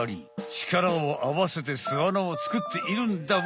ちからをあわせて巣あなをつくっているんだわ。